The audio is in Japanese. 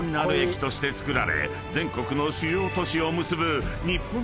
造られ全国の主要都市を結ぶ］